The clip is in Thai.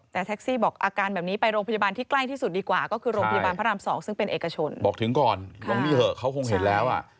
แต่แท็กซี่บอกอาการแบบนี้ไปโรงพยาบาลที่ใกล้ที่สุดดีกว่า